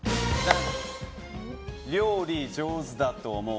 料理上手だと思う